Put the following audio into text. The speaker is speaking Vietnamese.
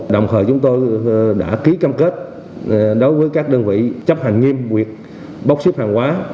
đồng thời chúng tôi đã ký cam kết đối với các đơn vị chấp hành nghiêm việc bốc xếp hàng hóa